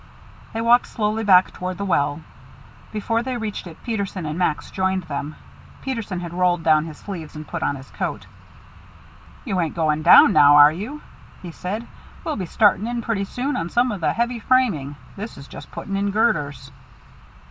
They walked slowly back toward the well. Before they reached it Peterson and Max joined them. Peterson had rolled down his sleeves and put on his coat. "You ain't going down now, are you?" he said. "We'll be starting in pretty soon on some of the heavy framing. This is just putting in girders."